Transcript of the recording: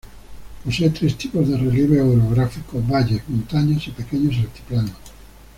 Posee tres tipos de relieve orográfico, valles, montañas y pequeños altiplanos.